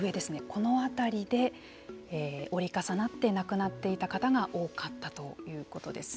このあたりで折り重なって亡くなっていた方が多かったということです。